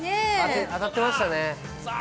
当たってましたね。